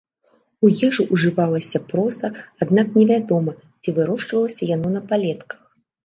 У ежу ўжывалася проса, аднак не вядома, ці вырошчвалася яно на палетках.